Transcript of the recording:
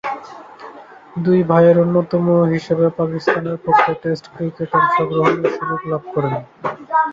দুই ভাইয়ের অন্যতম হিসেবে পাকিস্তানের পক্ষে টেস্ট ক্রিকেটে অংশগ্রহণের সুযোগ লাভ করেন।